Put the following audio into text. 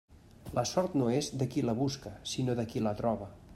La sort no és de qui la busca, sinó de qui la troba.